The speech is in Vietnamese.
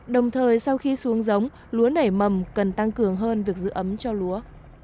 đồng thời sau khi xuống giống lúa nảy mầm cần tăng cường hơn việc giữ ấm cho lúa